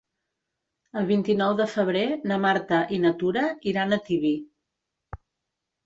El vint-i-nou de febrer na Marta i na Tura iran a Tibi.